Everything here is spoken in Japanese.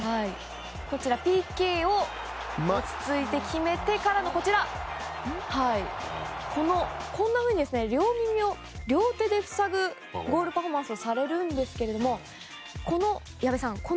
ＰＫを落ち着いて決めてからこんなふうに両耳を両手で塞ぐゴールパフォーマンスをされるんですが、矢部さん